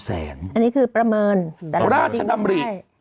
อันนี้คือประเมิน